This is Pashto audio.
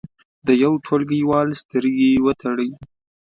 د یو ټولګیوال سترګې وتړئ.